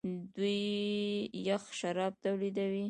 دوی یخ شراب تولیدوي.